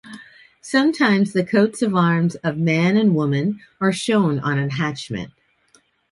Sometimes the coats of arms of man and woman are shown on a hatchment.